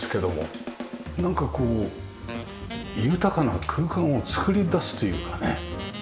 なんかこう豊かな空間を作り出すというかね。